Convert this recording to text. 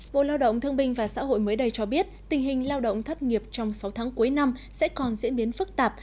bộ lao động thương binh và xã hội mới đây cho biết tình hình lao động thất nghiệp trong sáu tháng cuối năm sẽ còn diễn biến phức tạp